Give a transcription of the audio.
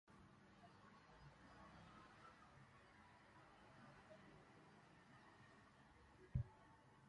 Las hermanas eran hijas de Martin Van Buren, octavo presidente de los Estados Unidos.